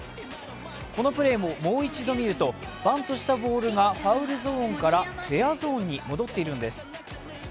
このプレーをもう一度見ると、バントしたボールがファウルゾーンからフェアゾーンに戻っているんです。